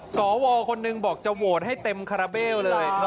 สวคนหนึ่งบอกจะโหวตให้เต็มคาราเบลเลย